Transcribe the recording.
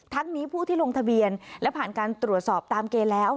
นี้ผู้ที่ลงทะเบียนและผ่านการตรวจสอบตามเกณฑ์แล้ว